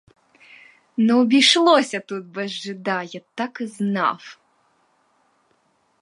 Не обійшлося тут без жида, я так і знав!